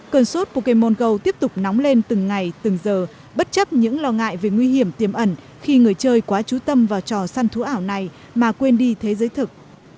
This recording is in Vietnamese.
cơn sốt puke monggo tiếp tục nóng lên từng ngày từng giờ bất chấp những lo ngại về nguy hiểm tiềm ẩn khi người chơi quá trú tâm vào trò săn thú ảo này mà quên đi thế giới thực